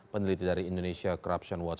peneliti dari indonesia corruption watch